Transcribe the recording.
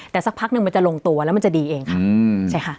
แต่สักพักหนึ่งมันจะลงตัวแล้วมันจะดีเองค่ะใช่ค่ะ